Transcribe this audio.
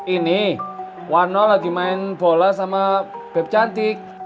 ini warno lagi main bola sama bep cantik